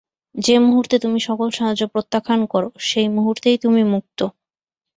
যে মুহূর্তে তুমি সকল সাহায্য প্রত্যাখান কর, সেই মুহূর্তেই তুমি মুক্ত।